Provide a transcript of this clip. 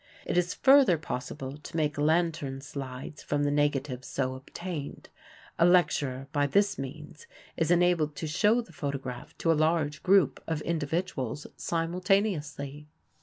It is further possible to make lantern slides from the negative so obtained. A lecturer by this means is enabled to show the photograph to a large group of individuals simultaneously.